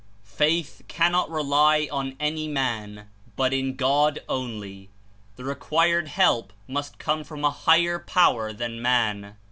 Faith cannot rely on any man, but in God only; the re quired help must come from a higher power than man.